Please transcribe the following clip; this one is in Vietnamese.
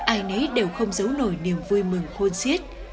ai nấy đều không giấu nổi niềm vui mừng khôn siết